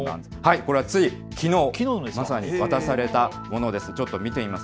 これはついきのう渡されたものです。